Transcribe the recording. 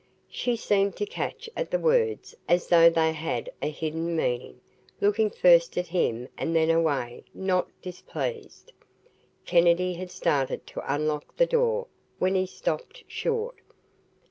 She seemed to catch at the words as though they had a hidden meaning, looking first at him and then away, not displeased. Kennedy had started to unlock the door, when he stopped short.